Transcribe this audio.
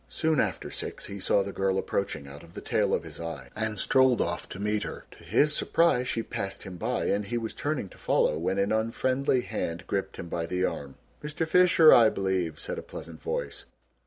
Soon after six he saw the girl approaching, out of the tail of his eye, and strolled off to meet her. To his surprise she passed him by and he was turning to follow when an unfriendly hand gripped him by the arm. "Mr. Fisher, I believe," said a pleasant voice.